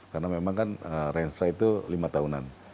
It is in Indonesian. karena memang kan range try itu lima tahunan